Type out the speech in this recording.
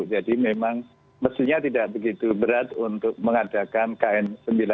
jadi memang mesinnya tidak begitu berat untuk mengadakan kn sembilan puluh lima